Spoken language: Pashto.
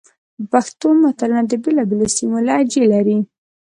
پښتو متلونه د بېلابېلو سیمو لهجې لري